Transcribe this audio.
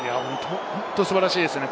本当に素晴らしいですね。